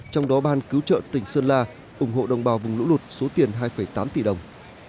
trong đó ban cứu trợ tỉnh sơn la ủng hộ đồng bào vùng lũ lụt số tiền hai tám tỷ đồng